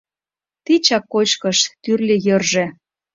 Тичак кочкыш, тӱрлӧ йӧржӧ.